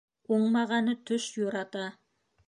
Уңмағаны төш юрата.